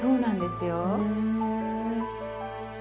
へえ。